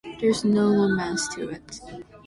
There's no romance to it.